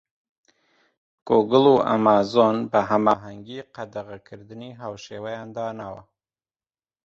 گۆگڵ و ئەمازۆن بە هەماهەنگی قەدەغەکردنی هاوشێوەیان داناوە.